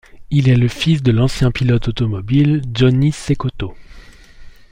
Il est le fils de l'ancien pilote automobile Johnny Cecotto.